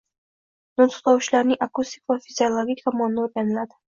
Nutq tovushlarining akustik va fiziologik tomoni o`rganiladi